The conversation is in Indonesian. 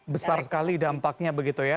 besar sekali dampaknya begitu ya